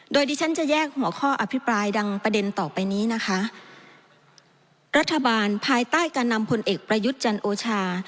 โดยที่ฉันจะแยกหัวข้ออภิปรายดังประเด็นต่อไปนี้นะคะรัฐบาลภายใต้การนำผลเอกประยุทธ์จันโอชา